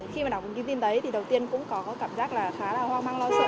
khi mà đọc thông tin đấy thì đầu tiên cũng có cảm giác là khá là hoang mang lo sợ